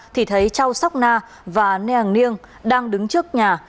thì thấy chau sóc na và neang niêng đang đứng trước nhà